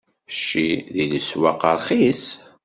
Cci di leswaq ṛxis.